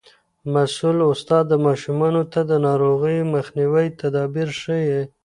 مسؤول استاد ماشومانو ته د ناروغیو مخنیوي تدابیر ښيي.